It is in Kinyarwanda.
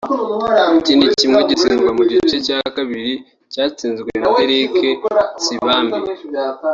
Ikindi kimwe gitsindwa mu gice cya kabiri cyatsinzwe na Derrick Nsibambi